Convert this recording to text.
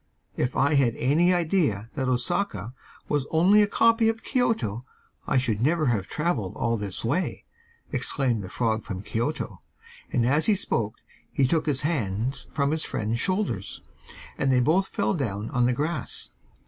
'If I had had any idea that Osaka was only a copy of Kioto I should never have travelled all this way,' exclaimed the frog from Kioto, and as he spoke he took his hands from his friend's shoulders, and they both fell down on the grass.